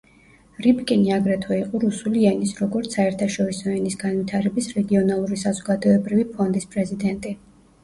რიბკინი აგრეთვე იყო რუსული ენის, როგორც საერთაშორისო ენის განვითარების რეგიონალური საზოგადოებრივი ფონდის პრეზიდენტი.